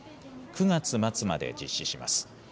９月末まで実施します。